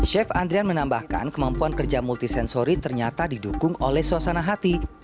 chef andrian menambahkan kemampuan kerja multisansori ternyata didukung oleh suasana hati